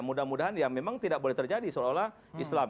mudah mudahan ya memang tidak boleh terjadi seolah olah islam